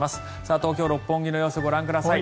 東京・六本木の様子ご覧ください。